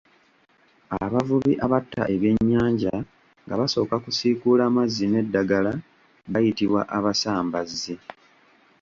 Abavubi abatta ebyennyanja nga basooka kusiikuula mazzi n'eddagala bayitibwa abasambazzi.